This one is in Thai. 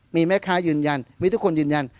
มีแม่ค้ายืนยันมีทุกคนยืนยัน